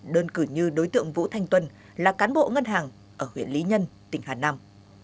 đơn cử như đối tượng vũ thanh tuân là cán bộ ngân hàng ở huyện lý nhân tỉnh hà nam